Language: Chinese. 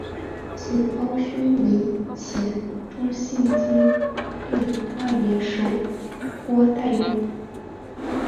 其胞兄为前中信鲸队外野手郭岱咏。